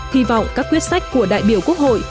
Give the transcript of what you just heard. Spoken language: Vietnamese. hy vọng các quyết sách của đại biểu quốc hội